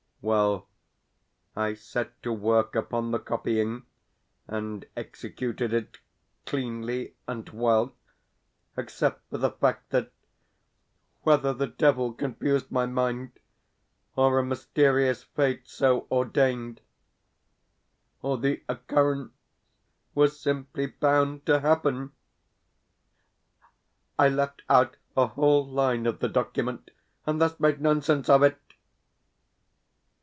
Well, I set to work upon the copying, and executed it cleanly and well, except for the fact that, whether the devil confused my mind, or a mysterious fate so ordained, or the occurrence was simply bound to happen, I left out a whole line of the document, and thus made nonsense of it!